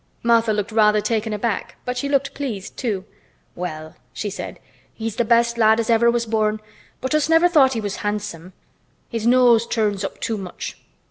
Martha looked rather taken aback but she looked pleased, too. "Well," she said, "he's th' best lad as ever was born, but us never thought he was handsome. His nose turns up too much."